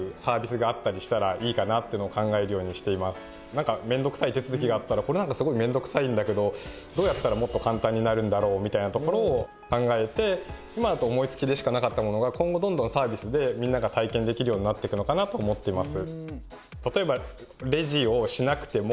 なんか面倒くさい手続きがあったらこれなんかすごい面倒くさいんだけどどうやったらもっと簡単になるんだろうみたいなところを考えて今だと思いつきでしかなかったものが今後どんどんサービスでみんなが体験できるようになってくのかなと思っています。